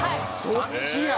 そっちや。